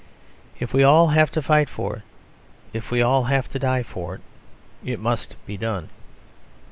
If we all have to fight for it, if we all have to die for it, it must be done.